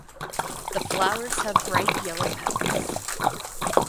The flowers have bright yellow petals.